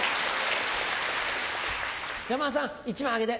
山田さん１枚あげて。